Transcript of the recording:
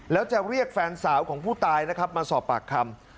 แล้วจะเรียกแฟนสาวของผู้ตายนะครับมาสอบปากคำ